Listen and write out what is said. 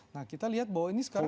nah kita lihat bahwa ini sekarang